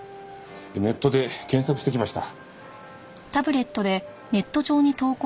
ネットで検索してきました。